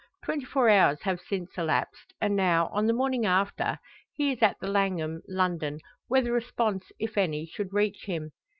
Twenty four hours have since elapsed; and now, on the morning after, he is at the Langham, London, where the response, if any, should reach him.